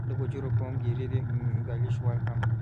د ګوجرو قوم ګیري دي، ګالیش وال هم